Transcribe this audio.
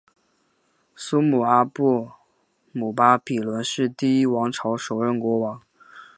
苏姆阿布姆巴比伦第一王朝首任国王。